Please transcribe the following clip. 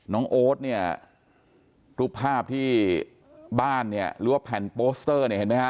โอ๊ตเนี่ยรูปภาพที่บ้านเนี่ยหรือว่าแผ่นโปสเตอร์เนี่ยเห็นไหมฮะ